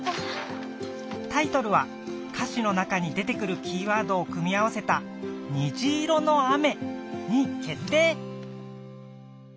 タイトルは歌詞の中に出てくるキーワードを組み合わせた「ニジイロノアメ」にけってい！